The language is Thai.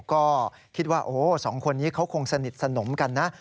ก็คิดว่าสองคนนี้เขาคงสนิทสนมกันนะ